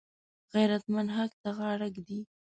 غیرتمند حق ته غاړه ږدي